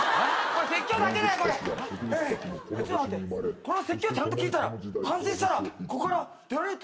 この説教ちゃんと聞いたら反省したらここから出られるって。